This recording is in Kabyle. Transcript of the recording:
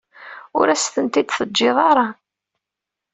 Ur as-ten-id-teǧǧiḍ ara.